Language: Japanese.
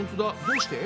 どうして？